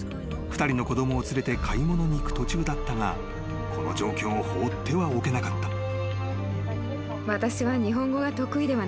［２人の子供を連れて買い物に行く途中だったがこの状況を放ってはおけなかった］